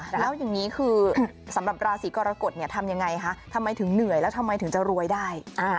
แล้วอย่างนี้คือสำหรับราศีกรกฎทำยังไงคะทำไมถึงเหนื่อยแล้วทำไมถึงจะรวยได้